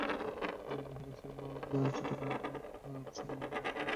নিহত সায়মা চট্টগ্রাম সরকারি মহিলা কলেজের সমাজতত্ত্ব বিভাগের চতুর্থ বর্ষের শিক্ষার্থী ছিলেন।